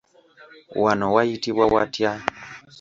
Wano wayitibwa watya?